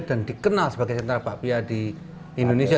dan dikenal sebagai sentra bakpia di indonesia